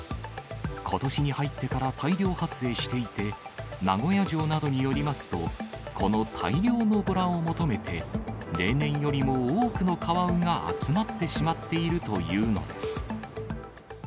ことしに入ってから大量発生していて、名古屋城などによりますと、この大量のボラを求めて、例年よりも多くのカワウが集まってしまっているというのです。